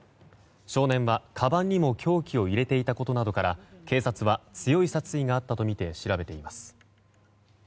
少年はかばんにも凶器を入れていたことなどから警察は、強い殺意があったとみて調べています。